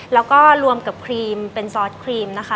แล้วก็รวมกับครีมเป็นซอสครีมนะคะ